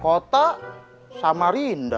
kota sama rinda